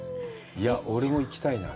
いやぁ、俺も行きたいな。